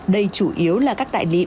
đây chủ yếu là các đại lý